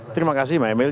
terima kasih emel